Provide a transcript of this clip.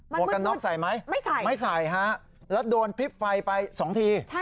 วกกันน็อกใส่ไหมไม่ใส่ไม่ใส่ฮะแล้วโดนพลิบไฟไปสองที